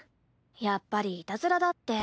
やっぱりいたずらだって。